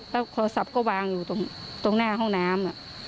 แล้วโทรศัพท์ก็วางอยู่ตรงหน้าห้องน้ำ